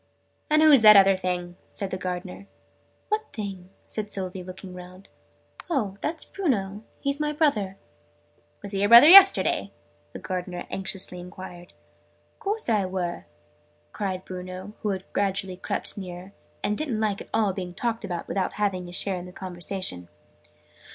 "And who's that other thing?', said the Gardener. "What thing?" said Sylvie, looking round. "Oh, that's Bruno. He's my brother." "Was he your brother yesterday?" the Gardener anxiously enquired. "Course I were!" cried Bruno, who had gradually crept nearer, and didn't at all like being talked about without having his share in the conversation.